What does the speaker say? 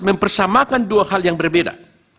mempersamakan dua hal yang berbeda